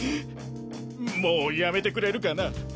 もうやめてくれるかな。